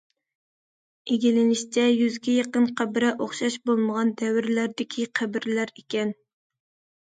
ئىگىلىنىشىچە، يۈزگە يېقىن قەبرە ئوخشاش بولمىغان دەۋرلەردىكى قەبرىلەر ئىكەن.